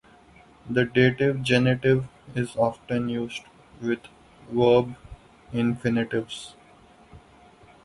The dative genitive is often used with verb infinitives.